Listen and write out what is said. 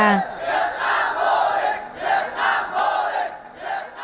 việt nam vô địch việt nam vô địch